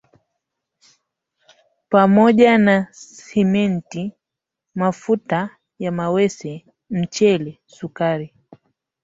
pamoja na Simenti, mafuta ya mawese, mchele, sukari